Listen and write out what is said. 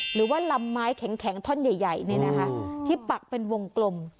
หรือว่าลำไม้แข็งท่อนใหญ่ที่ปักเป็นวงกลม